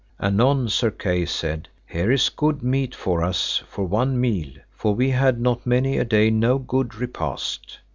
Anon, Sir Kay said, Here is good meat for us for one meal, for we had not many a day no good repast.